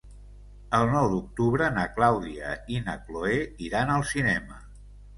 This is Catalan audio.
El nou d'octubre na Clàudia i na Cloè iran al cinema.